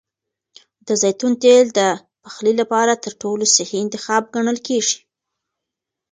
د زیتون تېل د پخلي لپاره تر ټولو صحي انتخاب ګڼل کېږي.